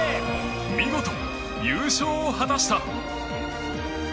見事、優勝を果たした。